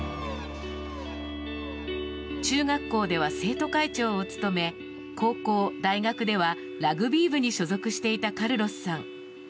中学校では生徒会長を務め高校、大学ではラグビー部に所属していたカルロスさん。